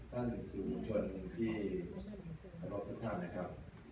ท่านศิษย์ผู้ชวนพิธีภรรพทุกท่านนะครับ